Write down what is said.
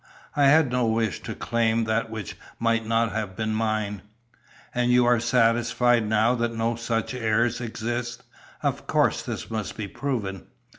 I had no wish to claim that which might not have been mine." "And you are satisfied now that no such heirs exist? Of course this must be proven."